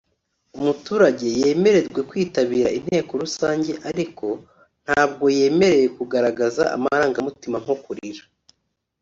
umuturage yemerwe kwitabira Inteko rusange ariko ntabwo yemerewe kugaragaza amarangamutima nko kurira